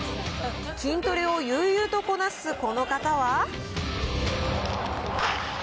筋トレをゆうゆうとこなすこの方は。